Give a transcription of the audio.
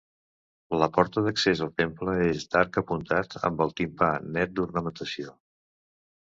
La porta d'accés al temple és d'arc apuntat, amb el timpà net d'ornamentació.